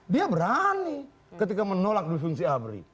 dia berani ketika menolak disungsi abri